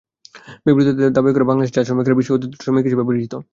বিবৃতিতে দাবি করা হয়, বাংলাদেশের চা-শ্রমিকেরা বিশ্বের অতিদরিদ্র শ্রমিক হিসেবে পরিচিত।